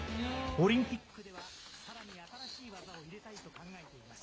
オリンピックでは、さらに新しい技を入れたいと考えています。